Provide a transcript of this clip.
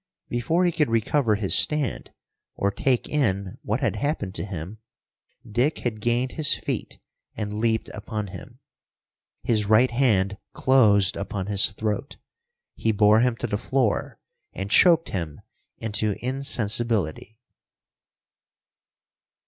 Before he could recover his stand, or take in what had happened to him, Dick had gained his feet and leaped upon him. His right hand closed upon his throat. He bore him to the floor and choked him into insensibility.